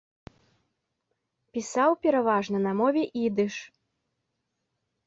Пісаў пераважна на мове ідыш.